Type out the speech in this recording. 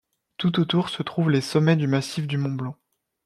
Tout autour se trouvent les sommets du massif du Mont-Blanc.